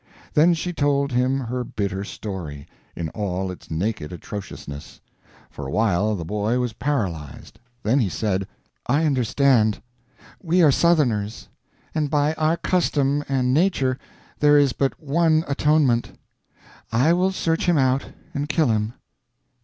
Then she told him her bitter story, in all its naked atrociousness. For a while the boy was paralyzed; then he said, "I understand. We are Southerners; and by our custom and nature there is but one atonement. I will search him out and kill him."